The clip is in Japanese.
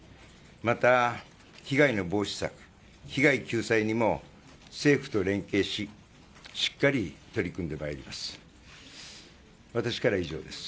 また被害の防止策、被害救済にも政府と連携ししっかり取り組んでまいります。